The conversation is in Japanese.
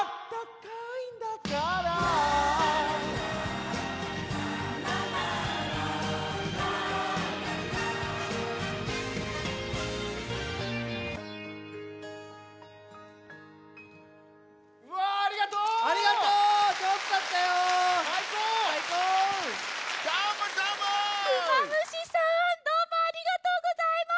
クマムシさんどうもありがとうございます！